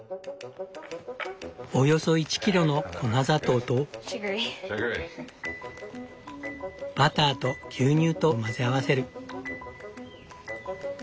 およそ１キロの粉砂糖とバターと牛乳と混ぜ合わせる。